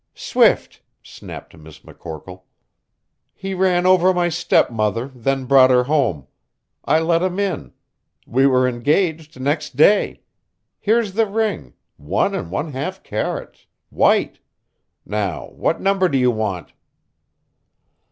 "Swift," snapped Miss McCorkle. "He ran over my stepmother, then brought her home. I let him in. We were engaged next day. Here's the ring, one and one half carats, white! now, what number do you want?"